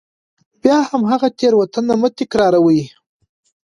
بیا هماغه تېروتنې مه تکراروئ.